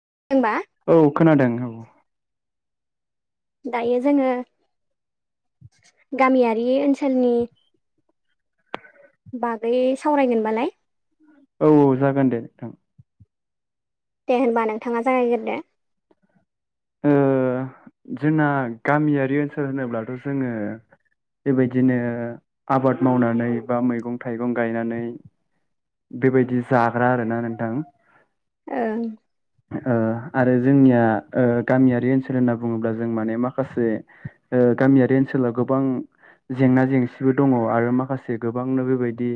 [inaudible] औ खोनादों औ। दायो जोङो गामियारि ओनसोलनि बागै सावरायगोनबालाय? औ औ जागोन दे नोंथां। दे होनबा नोंथाङा जागायगोरदो। ओ जोंना गामियारि ओनसोल होनोब्लाथ' जोङो बेबायदिनो आबाद मावनानै बा मैगं थाइगं गायनानै बेबायदि जाग्रा आरो ना नोंथां। ओं आरो जोंनिया गामियारि ओनसोल होनना बुङोब्ला जों माने माखासे गामियारि ओनसोलाव गोबां जेंना जेंसिबो दङ आरो माखासे गोबांनो बेबायदि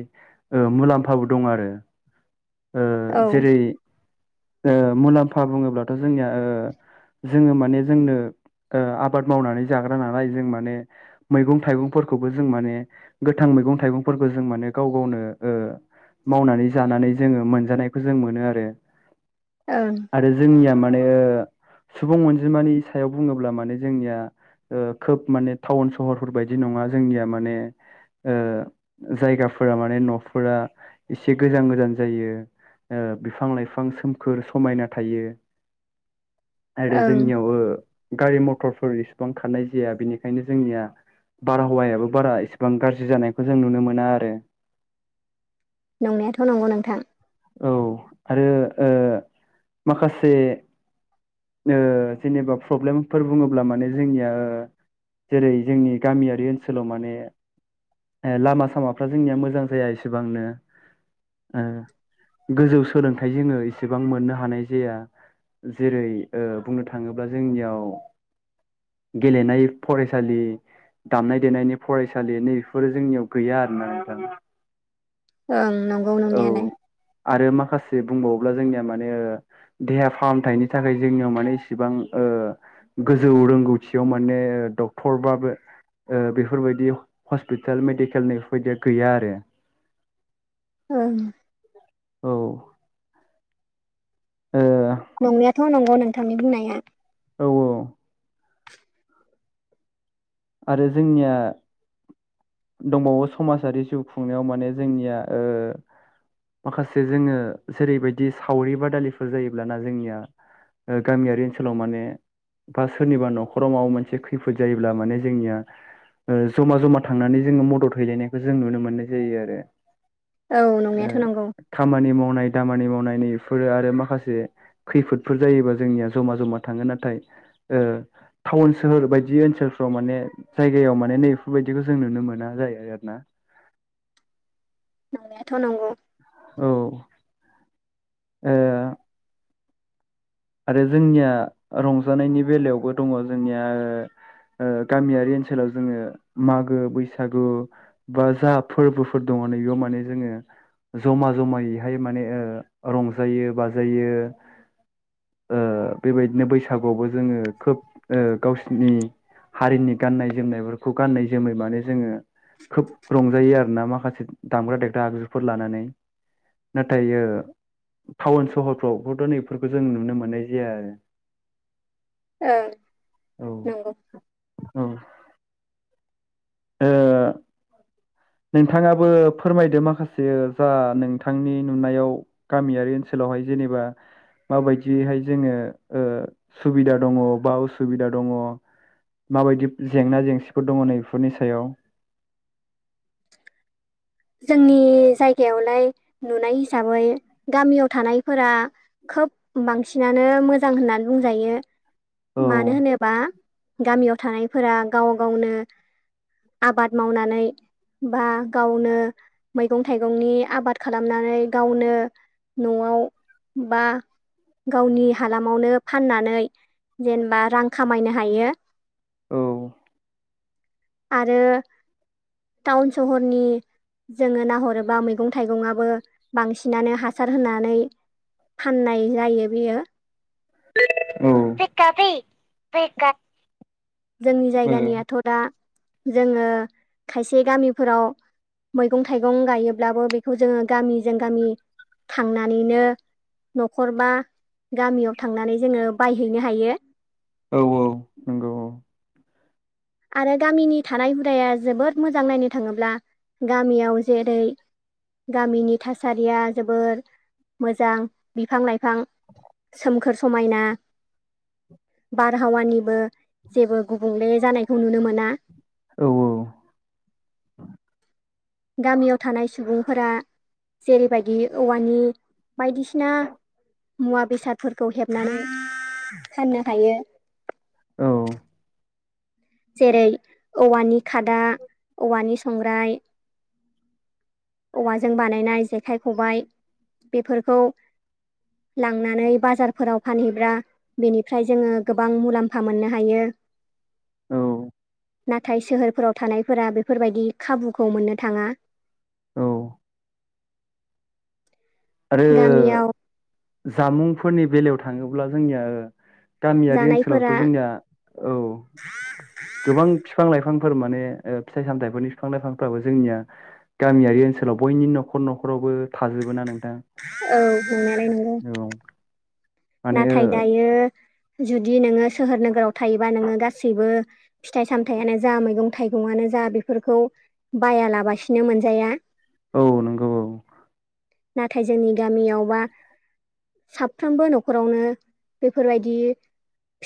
मुलाम्फाबो दङ आरो। औ जेरै मुलाम्फा बुङोब्लाथ' जोंनिया जोङो माने जोंनो। आबाद मावनानै जाग्रा नालाय जों माने मैगं थाइगंफोरखौबो जों माने गोथां। मैगं थाइगंफोरखौ जों माने गाव गावनो। मावनानै जानानै जोङो मोनजानायखौ जों मोनो आरो ओं आरो जोंनिया मा माने सुबुं अनजिमानि सायाव बुङोब्ला माने जोंनिया। खोब माने टाउन सहरफोर बायदि नङा जोंनिया माने जायगाफोरा माने न'फोरा एसे गोजान गोजान जायो। बिफां लाइफां सोम। नख समायना थायो आरो ओं जोंनियावबो गारि मथरफोर इसेबां खारनाय जाया बेनिखायनो जोंनिया। बारहावायाबो बारा इसेबां गाज्रि जानायखौ जों नुनो मोना आरो। नंनायाथ' नंगौ नोंथां। औ आरो माखासे। जेनेबा प्रब्लेमफोर बुङोब्ला माने जोंनिया जेरै जोंनि गामियारि ओनसोलाव माने ए लामा सामाफ्रा जोंनिया मोजां जाया इसेबांनो गोजौ सोलोंथाइ जोङो एसेबां मोननो हानाय जाया जेरै बुंनो थाङोब्ला जोंनियाव। गेलेनाय फरायसालि। दामनाय देनायनि फरायसालिनि बेफोरो जोंनियाव गैया आरो ना। ओं नंगौ नंनांयालाय। आरो माखासे बुंबावोब्ला जोंनिया माने देहा फाहामथायनि थाखाय जोंनियाव माने इसिबां। गोजौ रोंगौथियाव माने डक्टरबाबो। बेफोरबायदि हस्पिताल मेडिकेलनि बेफोरबायदिया गैया आरो। ओं। औ। नंनायाथ' नंगौ नोंथांनि बुंनाया। औ औ। आरो जोंनिया। दंबावो समाजारि जिउ खुंनायाव मानेजोंनिया ओ माखासे जोङो जेरैबायदि सावरि बादालिफोर जायोब्लाना जोंनिया। गामियारि ओनसोलाव माने बा सोरनिबा न'खराव माबा मोनसे खैफोद जायोब्ला माने। जोंनिया ज'मा जमा थांनानै जोङो मदद हैलायनायखौ जों नुनो मोननाय जायो आरो। औ नंनायाथ' [unintelligible] नंगौ खामानि मावनाय दामानि मावनाय। फोरो आरो माखासे खैफोदफोर जायोबा जोंनिया जमा जमा थाङो नाथाय ओ टाउन सोहोर बायदि ओनसोल। [unintelligible] माने जायगायाव माने नै बेफोरबायदिखौ जों नुनो मोना जायो आरो ना। [inaudible] नंनायाथ' नंगौ। औ। ओ आरो जोंनिया रंजानायनि बेलायावबो दङजोंनिया ओ ओ गामियारि ओनसोलाव जोङो मागो बैसागु बा जा फोरबोफोर दङ। याव माने जोङो। जमा जमायैहाय माने ओ रंजायो बाजायो ओ बेबायदिनो बैसागुआवबो जोङो खोब ओ गावसिनि हारिनि गाननाय जोमनायफोरखौ गाननाय जोमै माने जोङो खोब रंजायो आरो ना माखासे दामग्रा देग्रा आगजुफोर लानानै। नाथायो टाउन सहरफ्रावबोथ' नैफोरखौ जों नुनो मोननाय जाया आरो। ओं नंगौ [inaudible] औ औ ओ नोंथाङाबो फोरमायदो माखासे जा नोंथांनि नुनायाव गामियारि ओनसोलाव हाय जेनेबा माबायदियैहाय जोङो ओ सुबिदा दङ बा उसुबिदा दङ माबायदि जेंना जेंसिफोर दङ नै बेफोरनि सायाव। जोंनि जायगायावलाय नुनाय हिसाबै गामियाव थानायफोरा खोब बांसिनानो मोजां होननानै बुंजायो औ मानो होनोबा गामियाव थानायफोरा गाव गावनो आबाद मावनानै बा गावनो मैगं थाइगंनि आबाद खालामनानै गावनो न'आव बा गावनि हालामावनो फाननानै जेनबा रां खामायनो हायो। औ। आरो टाउन सहरनि जोङो नाहरोबा मैगं थाइगंआबो बांसिनानो हासार होनानै फाननाय जायो बेयो [unintelligible] औ [unintelligible] जोंनि जायगानियाथ' दा जोङो खायसे गामिफोराव मैगं थाइगं गायोब्लाबो बेखौ जोङो गामिजों गामि थांनानैनो न'खर बा गामियाव थांनानै जोङो बायहैनो हायो। औ औ नोंगौ औ। आरो गामिनि थानाय हुदाया जोबोद मोजां नायनो थाङोब्ला। गामियाव जेरै गामिनि थासारिया जोबोर मोजां बिफां लाइफां सोमखोर समायना [inaudible] बारहावानिबो जेबो गुबुंले जानायखौ नुनो मोना। औ गामियाव थानाय सुबुंफोरा जेरैबायदि औवानि बायदिसिना मुवा बेसादफोरखौ हेबनानै फाननो हायो। औ जेरै औवानि खादा औवानि संग्राय औवाजों बानायनाय जेखाइ खबाय बेफोरखौ लांनानै बाजारफोराव फानहैब्रा बेनिफ्राय जोङो गोबां मुलाम्फा मोननो हायो। [inaudible] नाथाय सोहोरफोराव थानाय फोरा बेफोरबायदि खाबुखौ मोननो थाङा। औ आरो गामियाव जामुंफोरनि बेलायाव थाङोब्ला जोंनिया ओ गामियारि ओनसोलावथ' जानायफोरा जोंनिया औ गोबां फिफां लाइफांफोर माने ओ फिथाइ सामथाइफोरनि फिफां लाइफांफोराबो जोंनिया गामिय्रि ओनसोलाव बयनिबो न'खर न' न'खरावबो थाजोबो ना नों औ नंनायालाय नंगौ। माने नाथाय ओ दायो जुदि नोङो सोहोर नोगोराव थायोबा नोङो गासैबो फिथाइ सामथायाइयानो जा, मैगं थाइगंआनो जा बेफोरखौ बायालाबासिनो मोनजाया। औ नंगौ औ। नाथाय जोंनि गामियावबा साफ्रोमबो न'ख ख'रावनो बेफोरबायदि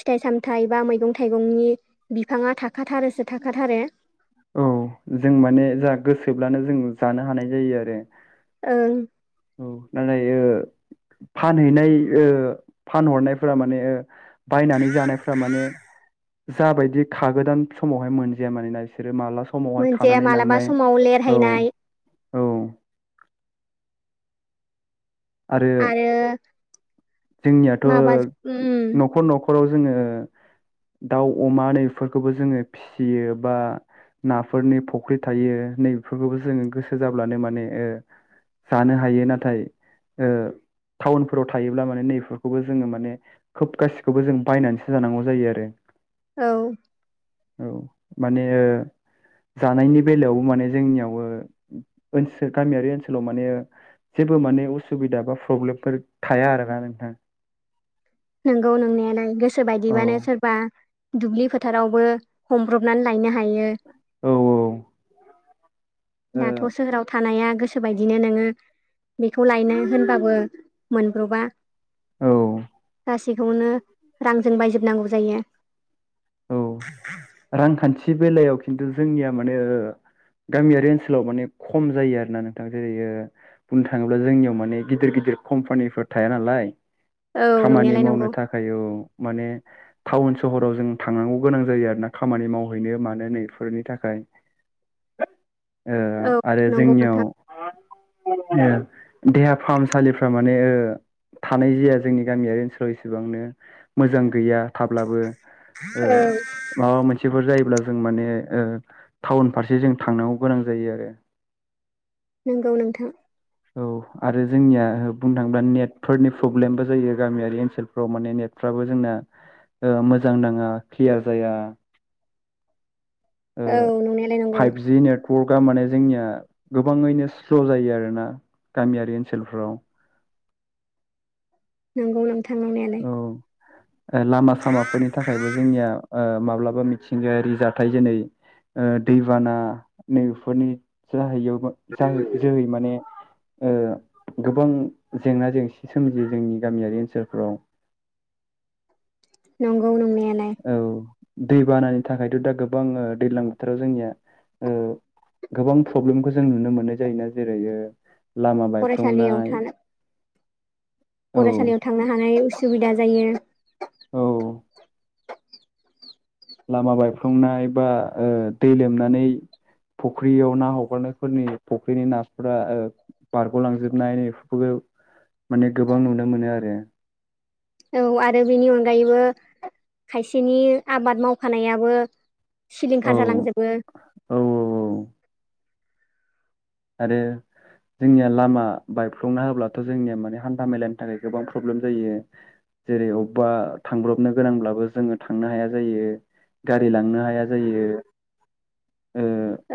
फिथाइ सामथाइ बा मैगं थाइगंनि बिफाङा थाखाथारोसो थाखाथारो औ जों माने जा गोसोब्लानो जों जानो हानाय जायो आरो ओं औ नाथाय ओ फानहैनाय ओ फानहरनायफोरा माने ओ बायनानै जानायफ्रा माने जाबायदि खागोदान समावहाय मोनजाया माने ना बिसोरो माब्ला समावहाय मोनसे खानानै मालाबा लांनाय समाव औ लेरहायनाय औ आरो जोंनियाथ' माबा उम न'खर न'खराव जोङो दाउ, अमा नैफोरखौबो जोङो फिसियो बा नाफोरनि फुख्रि थायो नै बेफोरखौबो जोङो गोसो जाब्लानो माने ओ जानो हायो नाथाय ओ टाउनफोराव थायो अब्ला माने नैफोरखौबो जोङो माने खोब गासिखौबो जों बायनानैसो जानांगौ जायो आरो औ औ माने ओ जानायनि बेलायावबो माने जोंनियाव ओ ओनसो गामियारि ओनसोलाव माने जेबो माने उसुबिदा बा प्रब्लेमफोर थाया आरोना नोंथां नंगौ नोंनायालाय गोसो औ बायदिबानो सोरबा दुब्लि फोथारावबो हमब्रबनानै लायनो हायो औ दाथ' सोहोराव थानाया गोसो बायदिनो नोङो बेखौ लायनो होनबाबो मोनब्र'बा ओ गासै खौनो रांजों बायजोबनांगौ जायो। औ रांखान्थि बेलायाव खिन्थु जोंनिया माने ओ गामियारि ओनसोलाव माने खम जायो आरोना नोंथां जेरै ओ बुंनो थाङोब्ला जोंनियाव माने गिदिर गि दिर कम्पानिफोर थाया नालाय औ खामानि नंनायालाय नंगौ मावनो थाखाय औ माने टाउन सहराव जों थांनांगौ गोनां जायो आरो ना। खामानि मावहैनो मानो नैफोरनि थाखाय। ओ औ आरो नंगौ जोंनियाव नोंथां ओ देहा फाहामसालिफ्रा माने ओ थानाय जाया जोंनि गामियारि ओनसोलाव इसेबांनो मोजां गैया थाब्लाबो ओ औ माबा मोनसेफोर जायोब्ला जों माने ओ टाउन फारसे जों थांनांगौ गोनां जायो आरो नोंगौ नोंथां। औ आरो जोंनिया बुंनो थाङोब्ला नेटफोरनि प्रब्लेमबो जायो गामियारि ओनसोलफोराव माने नेट फ्राबो जोंना ओ मोजां नाङा क्लियार जाया ओ औ नंनायालाय नंगौ फाइभजि नेट वर्कआ माने जोंनिया गोबाङैनो स्ल' जायो आरोना गामियारि ओनसोलफ्राव नंगौ नों औ ओ लामा सामाफोरनि थाखायबो जोंनिया ओ माब्लाब मिथिंगायारि जाथाय जेनै ओ दैबाना नैफोरनि [unintelligible] जाहै जोहै माने ओ गोबां जेंना जेंसि सोमजियो जोंनि गामियारि ओनसोलफोराव नंगौ नंनाया औ दैबानानि थाखायथ' दा गोबां ओ दैलां बोथोराव जोंनिया ओ गोबां प्रब्लेमखौ जों नुनो मोननाय जायोना जेरै ओ लामा फरायसालियाव बायफ्लंनाय, थानो औ फरायसालियाव थांनो हानाय उसुबिदा जायो [inaudible] लामा बायफ्लंनाय बा दै लोमनानै फुख्रियाव ना हगारनायफोरनि फुख्रिनि नाफोरा बारग'लांजोबनाय बेफोरखौ माने गोबां नुनो मोनो आरो औ आरो बेनि अनगायैबो खायसेनि आबाद मावफानायाबो औ सिलिंखार जालांजोबो औ आरो जोंनिया लामा बायफ्लंना होब्लाथ' जोंनिया माने हान्था मेलानि थाखाय गोबां प्रब्लेम जायो जेरै अबेबा थांब्रबनो गोनांब्लाबो जोङो थांनो हाया जायो गारि लांनो हाया जायो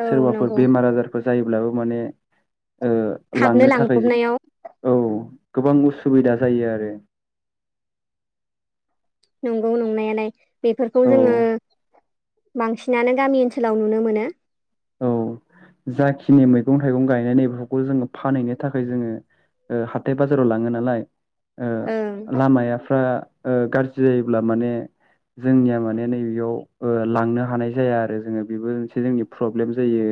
औ सोरबाफोर नंगौ बेमार आजारफोर जायोब्लाबो माने थाबनो लांनो थाखाय लांब्रबनायाव औ गोबां बुस्थु सुबिदा जायो आरो नंगौ नंनायालाय बेफोरखौ औ जोङो बांसिनानो गामि ओनसोलाव नुनो मोनो औ जाखिनि मैगं थाइगं गायनाय नै बेफोरखौ जोङो फानहैनो थाखाय जोङो हाथाय बाजाराव लाङो नालाय ओं लामाफ्रा गाज्रि जायोब्ला माने जोंनिया माने नैबेयाव लांनो हानाय जाया आरो जोङो बेबो मोनसे जोंनि प्रब्लेम जायो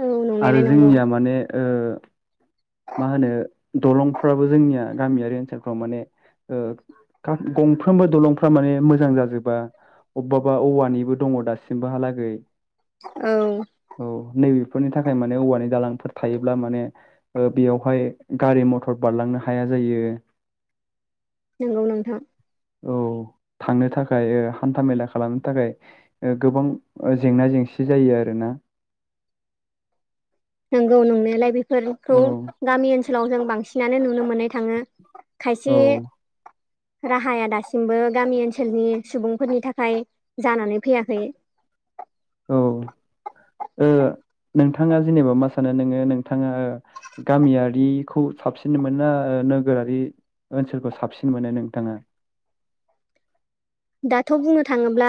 औ आरो नंनायालाय नंगौ जोंनिया माने मा होनो दलंफ्राबो जोंनिया गामियारि ओनसोलफ्राव माने गंफ्रोमबो दलंफ्रा माने मोजां जाजोबा अबेबा औवानिबो दङ दासिमबोहालागै औ बेनि थाखाय माने औवानि दालांफोर थायोब्ला माने बेयावहाय गारि मथर बारलांनो हाया जायो नंगौ नोंथां औ थांनो थाखाय हान्था मेला खालामनो थाखाय गोबां जेंना जेंसि जेंसि जायो आरोना नंगौ नंनायालाय औ बेफोरखौ गामि ओनसोलाव जों बांसिनानो नुनो मोननो थाङो औ खायसे राहाया दासिमबो गामि [inaudible] नोंथाङा जेनेबा मा सानो नोङो नोंथाङा ओ गा [inaudible] दाथ' बुंनो थाङोब्ला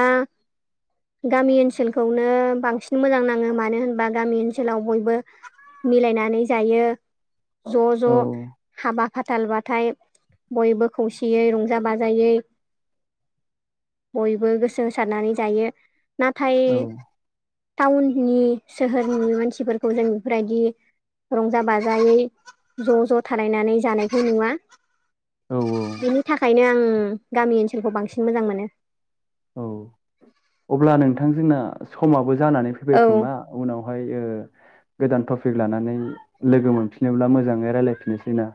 गामि ओनसोलखौनो बांसिन मोजां नाङो। मानो होनबा गामि ओनसोलाव बयबो मिलायनानै जायो ज' ज' औ हाबा फाथालबाथाय बयबो खौसेयै रंजा-बाजायै बयबो गोसो होसारनानै जायो। नाथाय टाउननि-सोहोरनि मानसिफोरखौ जों बेफोरबायदि रंजा-बाजायै ज' ज' थालायनानै जानायखौ नुवा। औ बिनि थाखायनो आं गामि ओनसोलखौ बांसिन मोजां मोनो। औ अब्ला नोंथां जोंना समाबो जानानै फैबाय औ खोमा उनाव हाय ओ गोदान टपिक लानानै लोगो मोनफिनोब्ला मोजाङै रायजलायफिनो सै ना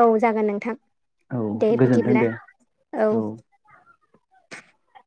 औ जागोन नोंथां औ दे गोजोन्थों बिदिब्ला दे औ। [inaudible]